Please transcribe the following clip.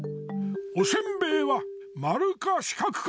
おせんべいはまるかしかくか！